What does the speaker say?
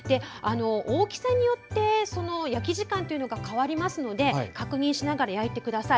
大きさによって焼き時間というのが変わりますので確認しながら焼いてください。